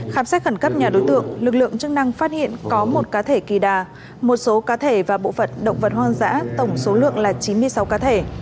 khám xét khẩn cấp nhà đối tượng lực lượng chức năng phát hiện có một cá thể kỳ đà một số cá thể và bộ phận động vật hoang dã tổng số lượng là chín mươi sáu cá thể